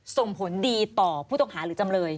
ส่งผลดีต่อผู้ต้องหาหรือจำเลย